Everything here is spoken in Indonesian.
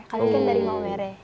kalian kan dari maomere